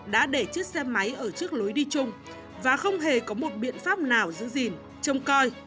đã để chiếc xe máy ở trước lối đi chung và không hề có một biện pháp nào giữ gìn trông coi